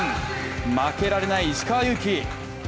負けられない石川祐希。